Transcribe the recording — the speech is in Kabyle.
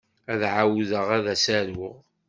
Ad ɛawdeɣ ad as-aruɣ.